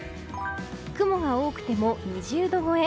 雲が多くても２０度超え。